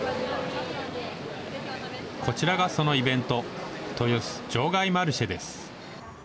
こちらがそのイベント、豊洲場外マルシェです。